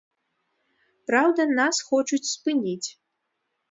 Праўда, нас хочуць спыніць.